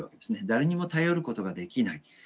誰にも頼ることができない。